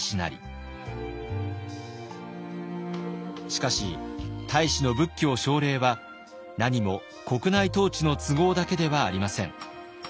しかし太子の仏教奨励はなにも国内統治の都合だけではありません。